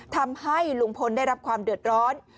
ทำให้ลุงพลได้รับความเดือดร้อน